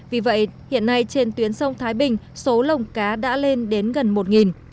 vì vậy hiện nay trên tuyến sông thái bình số lồng cá đã lên đến gần một